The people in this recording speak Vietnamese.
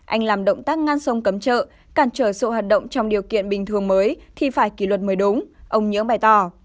anh làm động tác ngăn sông cấm chợ cản trở sự hoạt động trong điều kiện bình thường mới thì phải kỷ luật mới đúng ông nhưỡng bày tỏ